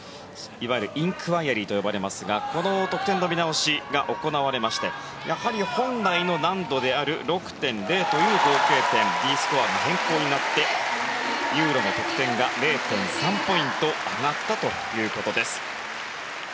いわゆるインクワイアリーと呼ばれますがこの得点の見直しが行われましてやはり本来の難度である６．０という合計点Ｄスコアの変更になってユーロの得点が０．３ポイント上がったということです。